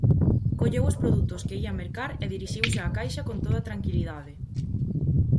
Colleu os produtos que ía mercar e dirixiuse á caixa con toda tranquilidade.